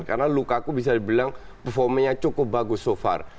karena lukaku bisa dibilang performanya cukup bagus so far